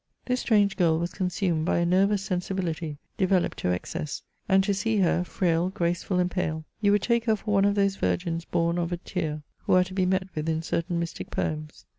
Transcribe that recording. This strange girl was con sumed by a nervous sensibility, developed to excess, and to see her, frail, graceM, and pale, you would take her for one of those virgins bom of a tear, who are to be met with in certain mystic poems.